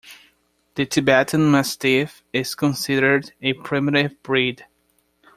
The Tibetan Mastiff is considered a primitive breed.